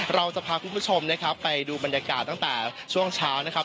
เราจะพาคุณผู้ชมนะครับไปดูบรรยากาศตั้งแต่ช่วงเช้านะครับ